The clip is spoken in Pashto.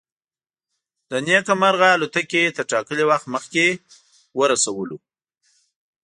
له نیکه مرغه الوتکې تر ټاکلي وخت مخکې ورسولو.